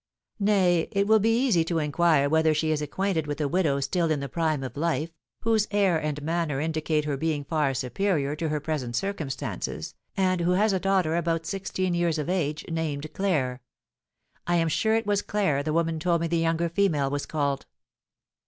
"Nay, it will be easy to inquire whether she is acquainted with a widow still in the prime of life, whose air and manner indicate her being far superior to her present circumstances, and who has a daughter about sixteen years of age named Claire. I am sure it was Claire the woman told me the younger female was called."